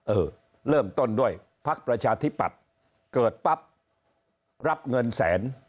เออเริ่มต้นด้วยพักประชาธิปัตย์เกิดปั๊บรับเงินแสน